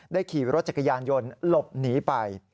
ขี่รถจักรยานยนต์หลบหนีไป